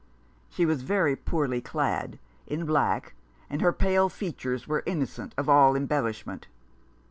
She was very poorly clad, in black, and her pale features were innocent of all embellishment.